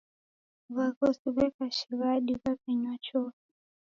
W'aghosi w'eka shighadi w'aw'enywa chofi.